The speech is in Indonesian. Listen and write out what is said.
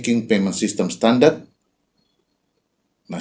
dengan membuat standar sistem uang